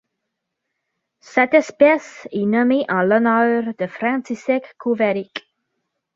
Cette espèce est nommée en l'honneur de František Kovařík.